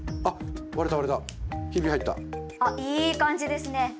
あいい感じですね。